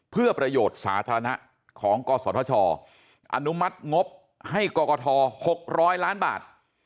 เพื่อประโยชน์สาธารณะของกศธชอนุมัติงบให้กรกฐ๖๐๐ล้านบาท